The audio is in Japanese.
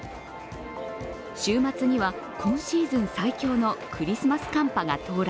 週末には今シーズン最強のクリスマス寒波が到来。